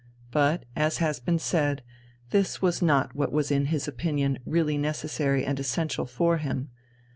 But, as has been said, this was not what was in his opinion really necessary and essential for him.